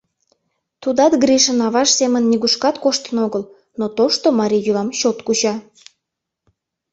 Тудат Гришын аваж семын нигушкат коштын огыл, но тошто марий йӱлам чот куча.